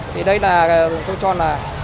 thì đây là tôi cho là